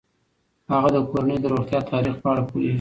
هغه د کورنۍ د روغتیايي تاریخ په اړه پوهیږي.